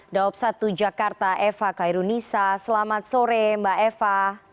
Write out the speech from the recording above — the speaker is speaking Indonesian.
daopsatu jakarta eva kairunisa selamat sore mbak eva